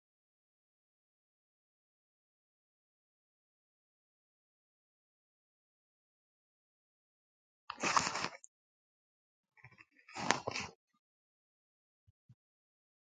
افغانستان د ځنګلي حاصلاتو په اړه ډېرې ګټورې علمي څېړنې لري.